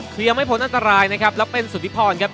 เคลียมให้พ้นอันตรายนะครับแล้วเป็นสุทธิพรครับ